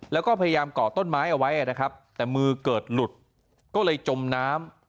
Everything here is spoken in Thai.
แล้วก็พยายามเกาะต้นไม้เอาไว้นะครับแต่มือเกิดหลุดก็เลยจมน้ำ